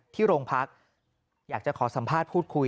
ที่โรงพักอยากจะขอสัมภาษณ์พูดคุย